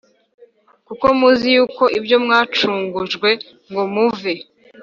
Kuko muzi yuko ibyo mwacungujwe ngo muve